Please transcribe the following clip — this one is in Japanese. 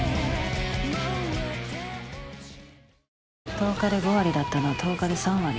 １０日で５割だったのを１０日で３割な。